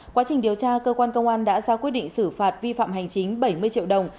quá trình điều tra cơ quan công an đã ra quyết định xử phạt vi phạm hành chính bảy mươi triệu đồng